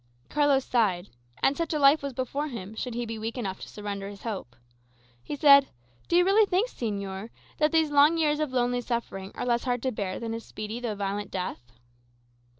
Carlos sighed. And such a life was before him, should he be weak enough to surrender his hope. He said, "Do you really think, señor, that these long years of lonely suffering are less hard to bear than a speedy though violent death?"